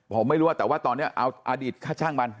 ผมไม่รู้ว่าแต่ว่าตอนนี้เอาอดีตค่าช่างมัน